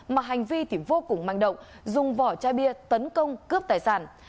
mà hành vi thì vô cùng manh động dùng vỏ chai bia tấn công cướp tài sản